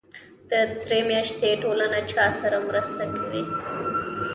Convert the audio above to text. د سرې میاشتې ټولنه چا سره مرسته کوي؟